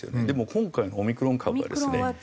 でも今回のオミクロン株はですね